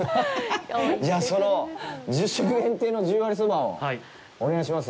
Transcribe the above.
じゃあ、その１０食限定の十割そばをお願いします。